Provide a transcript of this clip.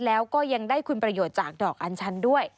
แล้วก็ยังได้คุณประโยชน์จากดอกอัญชันด้วย